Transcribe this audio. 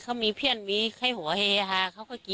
เขามีเพื่อนมีให้หัวเฮฮาเขาก็กิน